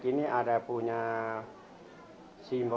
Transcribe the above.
yang ada di dusun berkase desa tukuneno